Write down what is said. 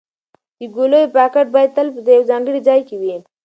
د ګولیو پاکټ باید تل په یو ځانګړي ځای کې وي.